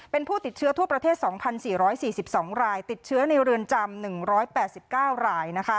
เป็นผู้ติดเชื้อทั่วประเทศ๒๔๔๒รายติดเชื้อในเรือนจำ๑๘๙ราย